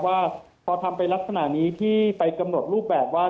ว่าพอทำไปลักษณะนี้ที่ไปกำหนดรูปแบบว่า